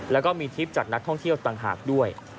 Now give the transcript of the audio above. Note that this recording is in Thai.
แล้วก็มีทริปจากนักท่องเที่ยวต่างหากด้วย